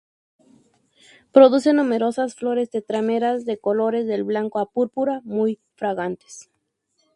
Produce numerosas flores tetrámeras, de colores del blanco al púrpura, muy fragantes.